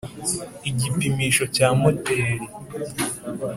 igipimisho cya moteri